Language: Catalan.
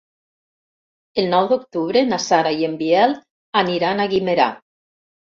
El nou d'octubre na Sara i en Biel aniran a Guimerà.